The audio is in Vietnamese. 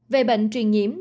về bệnh truyền nhiễm